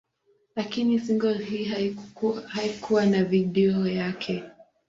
Lakini single hii haikuwa na video yake.